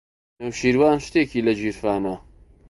نەوشیروان شتێکی لە گیرفانە.